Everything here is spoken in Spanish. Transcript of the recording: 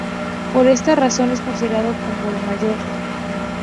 Por esta razón es considerado como el mayor.